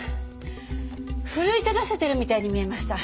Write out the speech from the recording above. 奮い立たせているみたいに見えました。